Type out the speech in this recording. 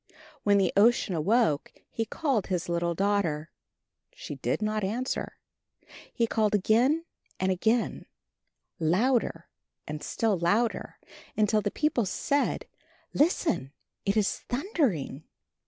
When the Ocean awoke he called his little daughter. She did not answer. He called again and again, louder and still louder, until the people said, "Listen, it is thundering!"